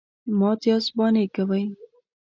_مات ياست، بانې کوئ.